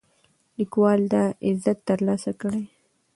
لیکوال دا عزت ترلاسه کړی.